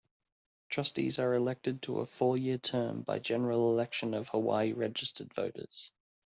Trustees are elected to a four-year term by general election of Hawaii registered voters.